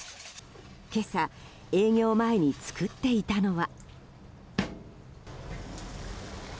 今朝、営業前に作っていたのは。